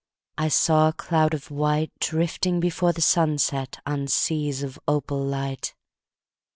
. I saw a cloud of white Drifting before the sunset On seas of opal light.